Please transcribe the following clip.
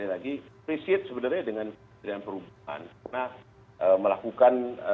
disipisit sebenarnya dengan kementerian perhubungan